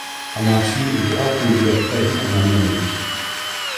Anarchie und Ordnung widersprechen einander nicht.